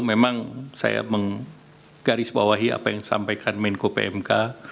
memang saya menggarisbawahi apa yang disampaikan menko pmk